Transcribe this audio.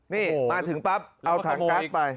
นี่มาถึงปั๊บเอาถังก๊าซไป